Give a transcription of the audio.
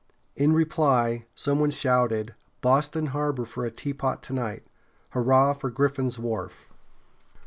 In reply some one shouted: "Boston harbor for a teapot to night! Hurrah for Griffin's wharf!"